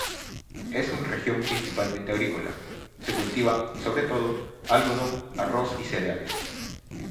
Es un región principalmente agrícola: se cultiva, sobre todo, algodón, arroz y cereales.